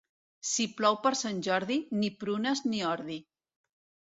Si plou per Sant Jordi, ni prunes ni ordi.